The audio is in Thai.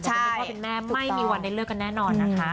คุณพ่อเป็นแม่ไม่มีวันได้เลิกกันแน่นอนนะคะ